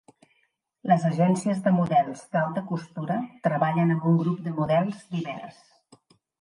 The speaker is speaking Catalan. Les agències de models d'alta costura treballen amb un grup de models divers.